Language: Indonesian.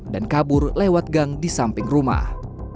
dan kabur lewat gang di samping rumah